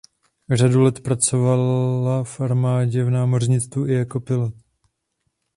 Řadu let pracovala v armádě v námořnictvu i jako pilot.